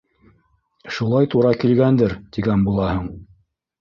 Шулай тура килгәндер, тигән булаһың.